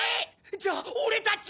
じゃあオレたち。